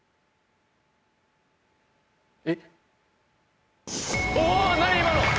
えっ？